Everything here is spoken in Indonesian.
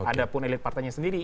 ada pun elit partainya sendiri